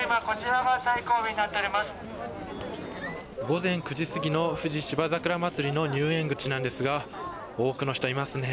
午前９時過ぎの富士芝桜まつりの入園口なんですが多くの人がいますね。